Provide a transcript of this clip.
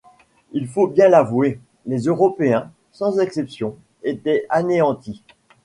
Il faut bien l’avouer, les Européens, sans exception, étaient anéantis.